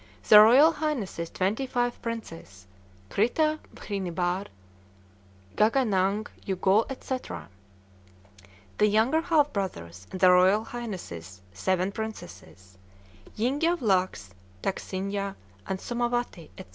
Their Royal Highnesses twenty five princes, Krita bhinihar, Gaganang Yugol &c. the younger half brothers, and their Royal Highnesses seven princesses, Yingyawlacks, Dacksinja, and Somawati, &c.